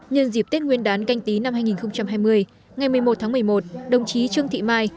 nhân dịp tết nguyên đán canh tí năm hai nghìn hai mươi ngày một mươi một tháng một mươi một đồng chí trương thị mai